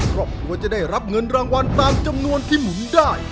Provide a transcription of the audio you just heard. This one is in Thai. ครอบครัวจะได้รับเงินรางวัลตามจำนวนที่หมุนได้